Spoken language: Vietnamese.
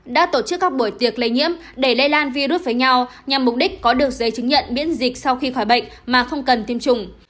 đã tổ chức các buổi tiệc lây nhiễm để lây lan virus với nhau nhằm mục đích có được giấy chứng nhận miễn dịch sau khi khỏi bệnh mà không cần tiêm chủng